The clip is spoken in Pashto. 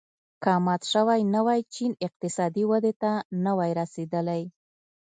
که مات شوی نه وای چین اقتصادي ودې ته نه وای رسېدلی.